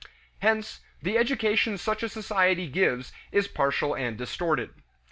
Hence, the education such a society gives is partial and distorted.